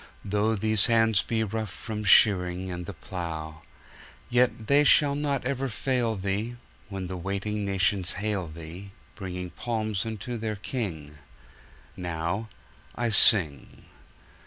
Though these hands be rough from shearing And the plough, Yet they shall not ever fail Thee, When the waiting nations hail Thee, Bringing palms unto their King. Now I sing.